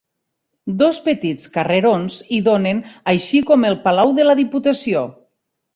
Dos petits carrerons hi donen, així com el Palau de la Diputació.